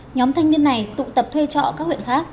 nhóm thanh niên này tụ tập thuê trọ các huyện khác